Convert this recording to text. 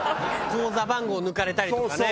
口座番号を抜かれたりとかね。